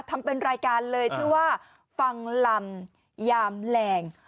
ทำเป็นรายการเลยชื่อว่าฟังลำยามแรง